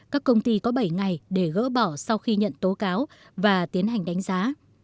các công ty có bảy ngày để gỡ bỏ sau khi nhận tố cáo và tiến hành đánh giá